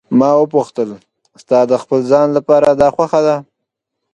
ما وپوښتل: ستا د خپل ځان لپاره دا خوښه ده.